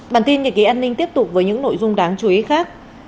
bản tin nhật ký an ninh tiếp tục với những nội dung đáng chú ý khác